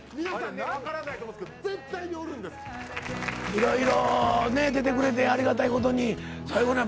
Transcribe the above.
いろいろね出てくれてありがたい事に。